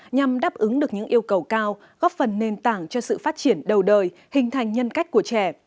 nhằm đáp ứng được những yêu cầu cao góp phần nền tảng cho sự phát triển đầu đời hình thành nhân cách của trẻ